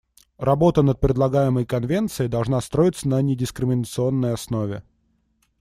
Работа над предлагаемой конвенцией должна строиться на недискриминационной основе.